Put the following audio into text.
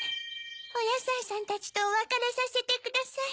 おやさいさんたちとおわかれさせてください。